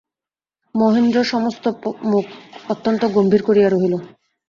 মহেন্দ্র সমস্ত পথ মুখ অত্যন্ত গম্ভীর করিয়া রহিল।